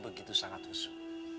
begitu sangat usuh